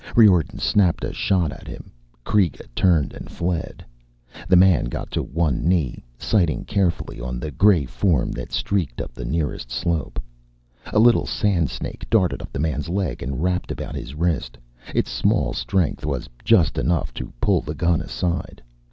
Riordan snapped a shot at him. Kreega turned and fled. The man got to one knee, sighting carefully on the gray form that streaked up the nearest slope. A little sandsnake darted up the man's leg and wrapped about his wrist. Its small strength was just enough to pull the gun aside.